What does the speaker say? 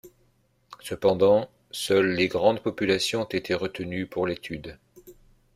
Cependant, seules les grandes populations ont été retenues pour l’étude.